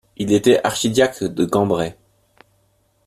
Il est archidiacre de Cambrai.